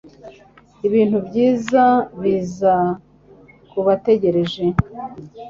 Ibintu byiza biza kubategereje